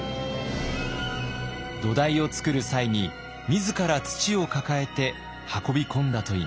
土台をつくる際に自ら土を抱えて運び込んだといいます。